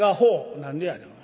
「何でやねんお前。